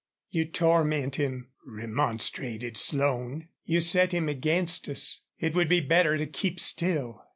"You torment him," remonstrated Slone. "You set him against us. It would be better to keep still."